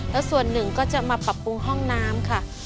แล้วส่วนหนึ่งก็จะมาปรับปรุงห้องน้ำค่ะ